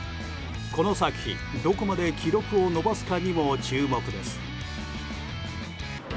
この先、どこまで記録を伸ばすかにも注目です。